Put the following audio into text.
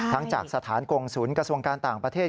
จากสถานกงศูนย์กระทรวงการต่างประเทศ